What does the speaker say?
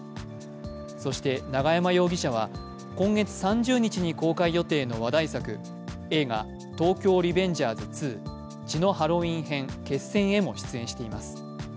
そして永山容疑者は今月３０日に公開予定の話題作、映画「東京リベンジャーズ２血のハロウィン編−決戦−」へも出演しています。